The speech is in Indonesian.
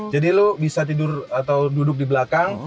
jadi lo bisa tidur atau duduk di belakang